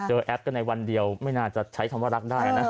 แอปกันในวันเดียวไม่น่าจะใช้คำว่ารักได้นะ